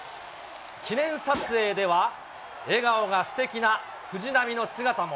記念撮影では、笑顔がすてきな藤浪の姿も。